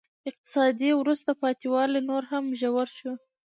اقتصادي وروسته پاتې والی نور هم ژور شو.